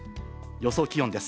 予想気温です。